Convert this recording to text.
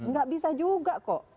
nggak bisa juga kok